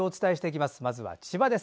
まずは千葉です。